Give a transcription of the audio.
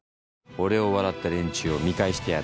俺を笑った連中を見返してやる。